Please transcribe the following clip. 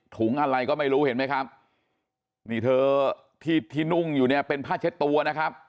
ถุงอะไรก็ไม่รู้เห็นไหมครับนี่เธอที่ที่นุ่งอยู่เนี่ยเป็นผ้าเช็ดตัวนะครับ